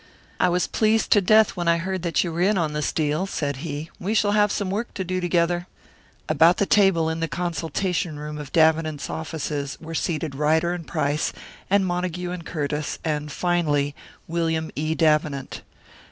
"I was pleased to death when I heard that you were in on this deal," said he; "we shall have some work to do together." About the table in the consultation room of Davenant's offices were seated Ryder and Price, and Montague and Curtiss, and, finally, William E. Davenant.